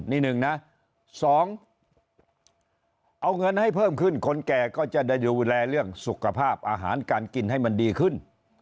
นิดนึงนะสองเอาเงินให้เพิ่มขึ้นคนแก่ก็จะได้ดูแลเรื่องสุขภาพอาหารการกินให้มันดีขึ้น